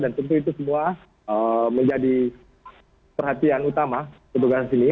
dan tentu itu semua menjadi perhatian utama untuk kekasih ini